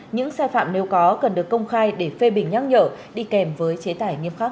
những sai phạm nếu có cần được công khai để phê bình nhắc nhở đi kèm với chế tài nghiêm khắc